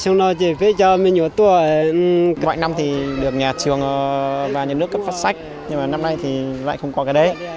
ngoài năm thì được nhà trường và nhà nước cấp phát sách nhưng mà năm nay thì lại không có cái đấy